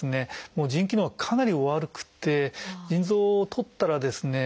もう腎機能がかなりお悪くて腎臓をとったらですね